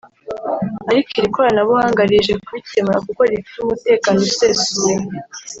ariko iri koranabuhanga rije kubikemura kuko rifite umutekano usesuye”